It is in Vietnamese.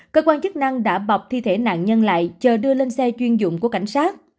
cơ quan chức năng đã bọc thi thể nạn nhân lại chờ đưa lên xe chuyên dụng của cảnh sát